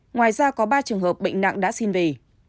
ngoài ra có ba trường hợp bệnh nặng đã xin về